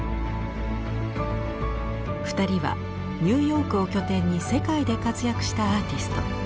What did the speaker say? ２人はニューヨークを拠点に世界で活躍したアーティスト。